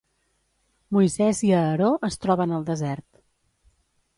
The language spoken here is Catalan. Moisès i Aaró es troben al desert.